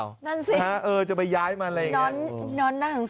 นั่นสินอนหน้าหังษานะครับเออจะไปย้ายมาอะไรอย่างนั้น